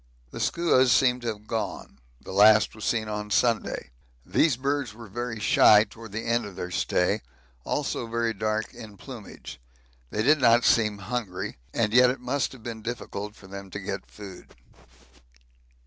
The skuas seem to have gone, the last was seen on Sunday. These birds were very shy towards the end of their stay, also very dark in plumage; they did not seem hungry, and yet it must have been difficult for them to get food.